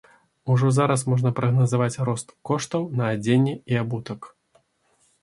Ужо зараз можна прагназаваць рост коштаў на адзенне і абутак.